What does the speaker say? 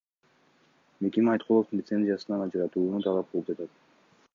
Мекеме Айткуловду лицензиясынан ажыратууну талап кылып жатат.